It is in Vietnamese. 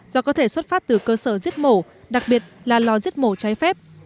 do có thể xuất phát từ cơ sở giết mổ đặc biệt là lò giết mổ cháy phép